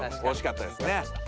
おしかったですね。